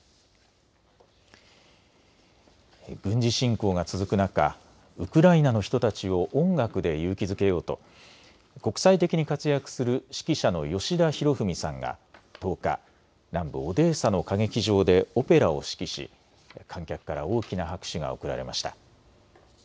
軍事侵攻が続く中、ウクライナの人たちを音楽で勇気づけようと国際的に活躍する指揮者の吉田裕史さんが１０日、南部オデーサの歌劇場でオペラを指揮し観客から大きな拍手が送られました。